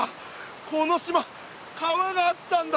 この島川があったんだ！